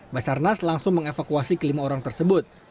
basarnas langsung mengevakuasi kelima orang tersebut